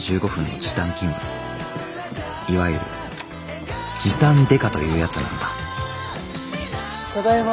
いわゆる時短刑事というやつなのだただいま。